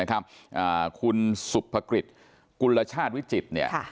คุณสุภกฤษกุลชาติวิจิตร